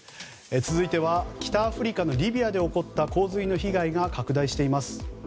続いては北アフリカのリビアで起こった洪水の被害が拡大しています。